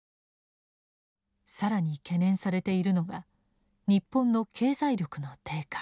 更に懸念されているのが日本の経済力の低下。